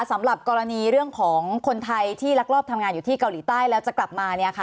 สำหรับกรณีเรื่องของคนไทยที่รักรอบทำงานอยู่ที่เกาหลีใต้แล้วจะกลับมา